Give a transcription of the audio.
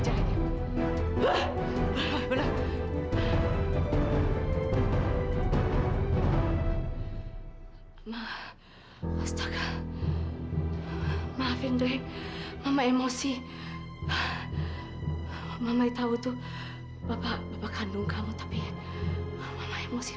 hai maaf astaga maafin deh mama emosi mama itu tuh bapak bapak kandung kamu tapi emosi